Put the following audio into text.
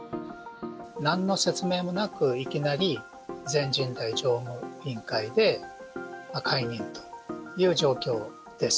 なんの説明もなく、いきなり全人代常務委員会で、解任という状況です。